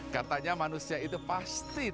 katanya manusia itu pasti